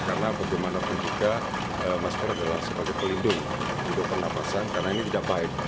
karena bagaimanapun juga masker adalah sebagai pelihara